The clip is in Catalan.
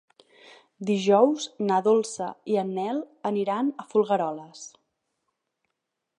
Dijous na Dolça i en Nel aniran a Folgueroles.